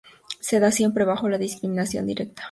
Se da siempre bajo la discriminación directa.